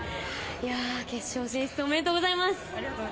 決勝進出おめでとうございます。